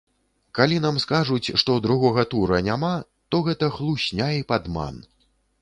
Калі нам скажуць, што другога тура няма, то гэта хлусня і падман.